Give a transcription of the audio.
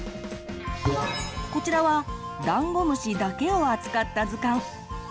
こちらはダンゴムシだけを扱った図鑑。